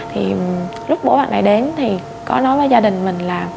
thì lúc bố bạn này đến thì có nói với gia đình mình làm